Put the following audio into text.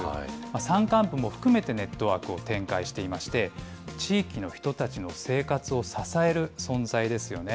山間部も含めてネットワークを展開していまして、地域の人たちの生活を支える存在ですよね。